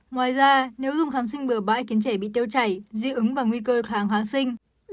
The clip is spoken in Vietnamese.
ngoài ra nếu ưng kháng sinh bừa bãi khiến trẻ bị tiêu chảy dị ứng và nguy cơ kháng hóa sinh